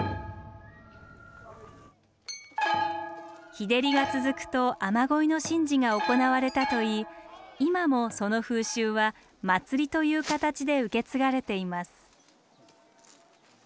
日照りが続くと雨乞いの神事が行われたといい今もその風習は祭りという形で受け継がれています。